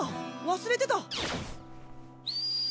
忘れてた。